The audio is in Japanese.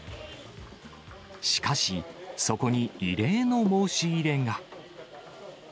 しかし、そこに異例の申し入れが。